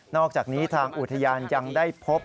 อกจากนี้ทางอุทยานยังได้พบ